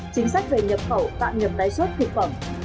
chính sách về nhập khẩu tạm nhập đáy suất thực phẩm